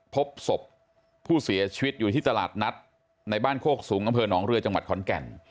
พบศพผู้เสียชีวิตอยู่ที่ตลาดนัดในบ้านโคกสูงอำเภอหนองเรือจังหวัดขอนแก่น